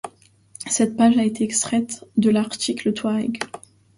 Cette page a été extraite de l'article Touareg.